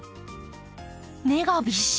根がびっしり！